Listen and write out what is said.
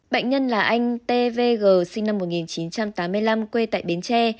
bệnh nhân là anh t v g sinh năm một nghìn chín trăm tám mươi năm quê tại bến tre